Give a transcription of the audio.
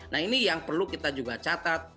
nah ini yang perlu kita juga catat